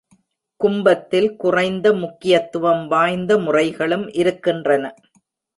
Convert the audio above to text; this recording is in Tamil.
கும்பத்தில் குறைந்த முக்கியத்துவம் வாய்ந்த முறைகளும் இருக்கின்றன.